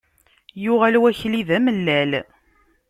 Yuɣal wakli d amellal.